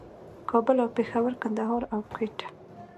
کابل او پېښور، کندهار او کوټه